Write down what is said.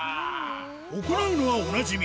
行うのはおなじみ